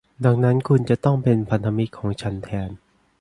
ดังนั้นคุณจะต้องเป็นพันธมิตรของฉันแทน